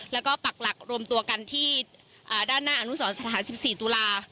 แล้วก็ปักหลักรวมตัวกันที่ด้านหน้าอนุสรสถาน๑๔ตุลา